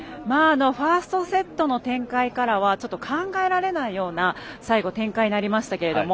ファーストセットの展開からは考えられないような最後、展開になりましたけども。